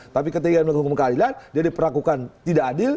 tapi ketika dihukum keadilan dia diperlakukan tidak adil